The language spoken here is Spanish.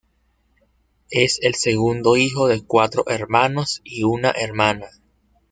Es el segundo hijo de cuatro hermanos y una hermana.